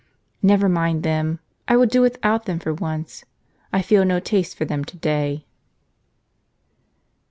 "Never mind them; I will do without them for once; I feel no taste for them to day."